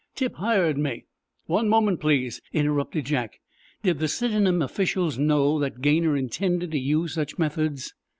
Tip hired me—" "One moment, please," interrupted Jack. "Did the Sidenham officials know that Gaynor intended to use such methods?"